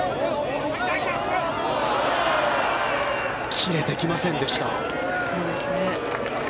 切れてきませんでした。